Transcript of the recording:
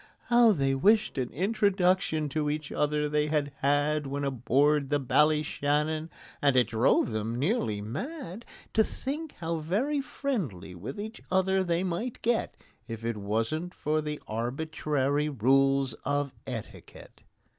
How they wished an introduction to each other they had had When on board the Ballyshannon! And it drove them nearly mad To think how very friendly with each other they might get, If it wasn't for the arbitrary rule of etiquette!